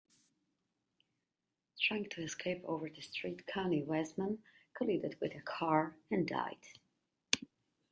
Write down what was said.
Trying to escape over the street Conny Wessmann collided with a car and died.